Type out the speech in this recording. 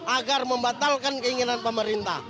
agar membatalkan keinginan pemerintah